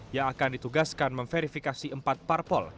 yang akan ditugaskan memverifikasi empat parpol